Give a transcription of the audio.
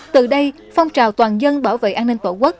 từ đây phong trào toàn dân bảo vệ an ninh tổ quốc